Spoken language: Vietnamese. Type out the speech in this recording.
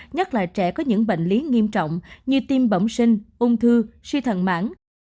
nhất là trẻ có những bệnh lý nghiêm trọng như tiêm bẩm sinh ung thư suy thần mãn